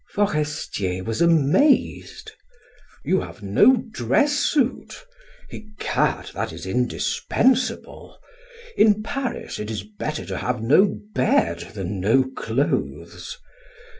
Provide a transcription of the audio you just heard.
Forestier was amazed. "You have no dress suit? Egad, that is indispensable. In Paris, it is better to have no bed than no clothes."